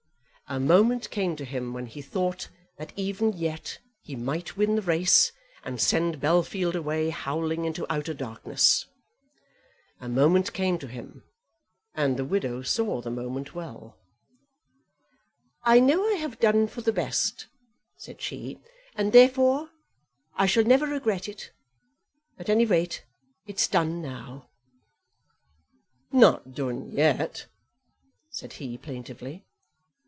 A moment came to him when he thought that even yet he might win the race, and send Bellfield away howling into outer darkness. A moment came to him, and the widow saw the moment well. "I know I have done for the best," said she, "and therefore I shall never regret it; at any rate, it's done now." "Not done yet," said he plaintively.